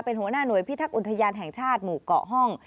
เป็นหัวหน้าหน่วยพิทักษ์อุทยานแห่งชาติหมู่เกาะห้อง